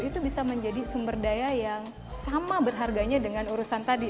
itu bisa menjadi sumber daya yang sama berharganya dengan urusan tadi